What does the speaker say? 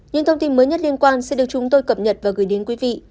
những thông tin mới nhất liên quan sẽ được chúng tôi cập nhật và gửi đến quý vị